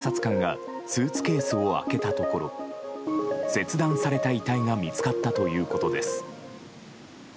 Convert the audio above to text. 駆け付けた警察官がスーツケースを開けたところ切断された遺体が見つかったということです。